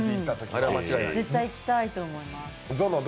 絶対行きたいと思います。